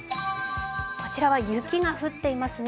こちらは雪が降っていますね。